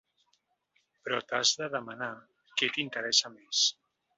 Però t’has de demanar què t’interessa més.